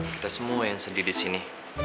kita semua yang sendir disini